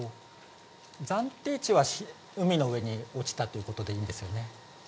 暫定値は海の上に落ちたということでいいんですよね。